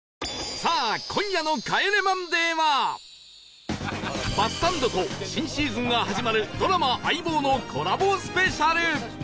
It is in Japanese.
さあバスサンドと新シーズンが始まるドラマ『相棒』のコラボスペシャル